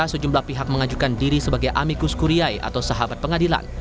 sejumlah pihak mengajukan diri sebagai amikus kuriyai atau sahabat pengadilan